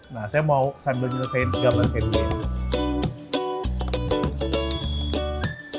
nah saya mau sambil nyelesain gambar saya dulu